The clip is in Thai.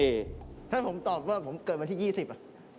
ถ้าผมตอบว่าผมเกิดวันที่๒๐อ่ะ